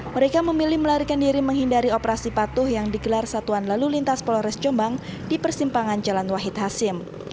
mereka memilih melarikan diri menghindari operasi patuh yang digelar satuan lalu lintas polres jombang di persimpangan jalan wahid hasim